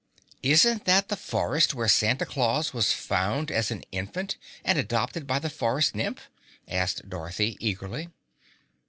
"Isn't that the forest where Santa Claus was found as an infant and adopted by the Forest Nymph?" asked Dorothy eagerly.